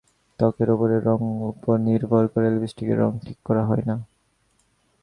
ত্বকের ওপরের রঙের ওপর নির্ভর করে লিপস্টিকের রং ঠিক করা হয় না।